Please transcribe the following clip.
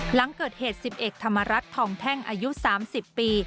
หลังเกิดเหตุ๑๑ธรรมรัฐทองแท่งอายุ๓๐ปี